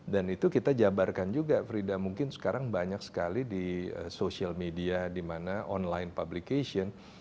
dan itu kita jabarkan juga frida mungkin sekarang banyak sekali di social media di mana online publication